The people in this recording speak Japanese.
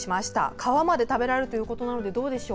皮まで食べられるということなのでどうでしょう。